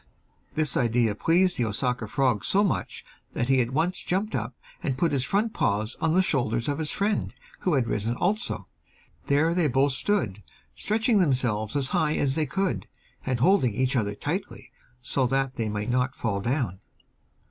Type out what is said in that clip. This idea pleased the Osaka frog so much that he at once jumped up and put his front paws on the shoulders of his friend, who had risen also. There they both stood, stretching themselves as high as they could, and holding each other tightly, so that they might not fall down.